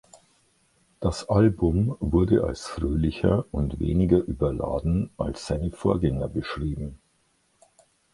Das Album wurde als fröhlicher und weniger überladen als seine Vorgänger beschrieben.